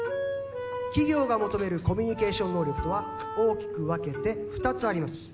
企業が求めるコミュニケーション能力とは大きく分けて２つあります。